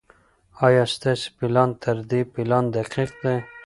ايا ستاسي پلان تر دې پلان دقيق دی؟